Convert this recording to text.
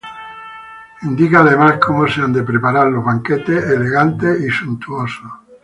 Indica además como se han de preparar los banquetes elegantes y suntuosos.